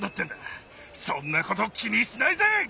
そんなこと気にしないぜ！